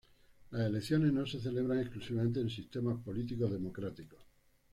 Las elecciones no se celebran exclusivamente en sistemas políticos democráticos.